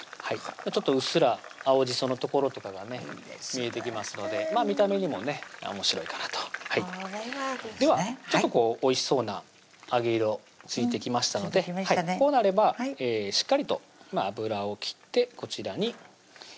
うっすら青じその所とかがね見えてきますので見た目にもねおもしろいかなとではおいしそうな揚げ色ついてきましたのでこうなればしっかりと油を切ってこちらに引き上げていきます